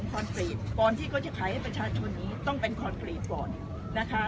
ถนนพวกนี้เป็นถนนก่อนที่เขาจะขายให้ประชาชนีต้องเป็นนะคะ